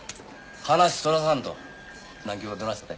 話そらさんと南極がどないしたって？